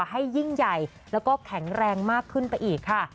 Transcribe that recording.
ให้ยิ่งใหญ่แล้วก็แข็งแรงมากขึ้นไปอีกค่ะ